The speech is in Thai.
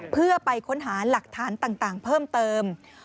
เพื่อไปค้นหาหลักฐานต่างเพิ่มเติม